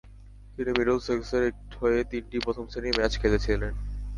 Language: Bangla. তিনি মিডলসেক্সের হয়ে তিনটি প্রথম শ্রেণির ম্যাচ খেলেছিলেন।